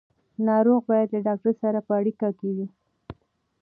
ناروغ باید له ډاکټر سره په اړیکه وي.